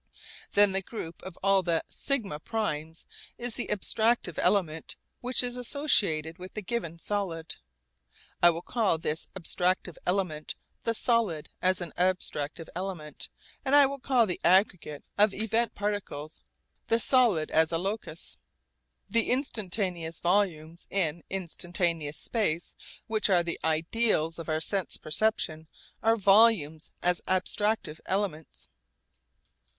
Then the group of all the σ primes is the abstractive element which is associated with the given solid. I will call this abstractive element the solid as an abstractive element, and I will call the aggregate of event particles the solid as a locus. The instantaneous volumes in instantaneous space which are the ideals of our sense perception are volumes as abstractive elements.